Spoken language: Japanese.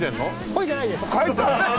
漕いでないです。